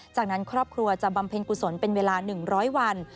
จากนั้นครอบครัวจะบำเพ็ญกุศลเป็นเวลา๑๐๐วัน